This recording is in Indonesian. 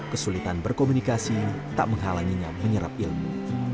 kesulitan berkomunikasi tak menghalanginya menyerap ilmu